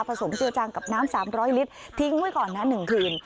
สมเจือจังกับน้ำ๓๐๐ลิตรทิ้งไว้ก่อนนะ๑คืน